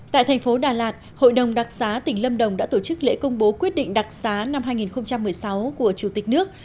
tại thành phố đà lạt hội đồng đặc xá tỉnh lâm đồng đã tổ chức lễ công bố quyết định đặc xá năm hai nghìn một mươi sáu của chủ tịch nước